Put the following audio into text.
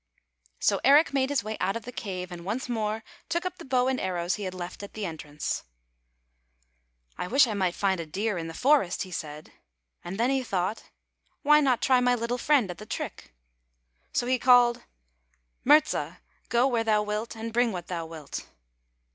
" So Eric made his way out of the cave and once more took up the bow and arrows he had left at the entrance. " I wish I might find a deer in the forest," he said. And then he thought, " Why not try my little friend at the trick? " So he [ 157 ] FAVORITE FAIRY TALES RETOLD called "Murza; go where thou wilt and bring what thou wilt."